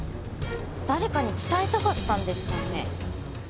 誰かに伝えたかったんですかね？